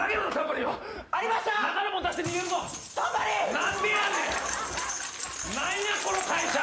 何やこの会社！？